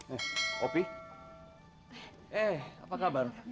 eh kopi eh apa kabar